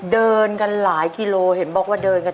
เดินกันหลายกิโลเห็นบอกว่าเดินกัน